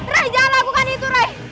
rai jangan lakukan itu rai